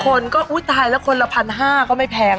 คนก็อุ๊ยตายแล้วคนละ๑๕๐๐ก็ไม่แพง